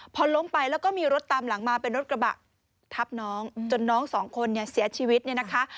พอล้มไปแล้วก็มีรถตามหลังมาเป็นรถกระบะทับน้องจนน้องสองคนเนี่ยเสียชีวิตเนี่ยนะคะ